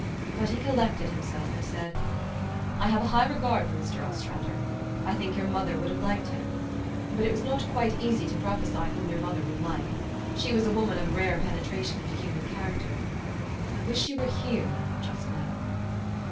But he collected himself, and said, " I have a high regard for Mr. Ostrander. I think your mother would have liked him but it was not quite easy to prophesy whom your mother would like. She was a woman of rare penetration into human character. I wish she were here just now.